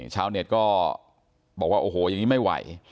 ชาวเน็ตก็บอกว่าโอ้โหอย่างนี้ไม่ไหว